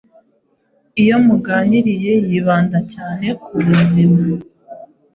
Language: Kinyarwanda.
Iyo muganiriye yibanda cyane ku buzima